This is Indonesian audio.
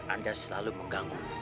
anda selalu mengganggu